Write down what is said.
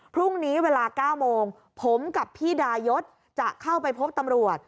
พรุ่งนี้เวลา๙โมงผมกับพี่ดายศจะเข้าไปพบตำรวจ